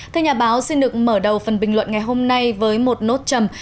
thưa nhà báo xin được mở đầu phần bình luận ngày hôm nay với một nốt trầm